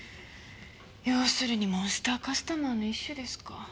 要するにモンスターカスタマーの一種ですか。